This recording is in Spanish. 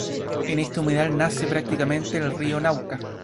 En este humedal nace prácticamente el río Lauca.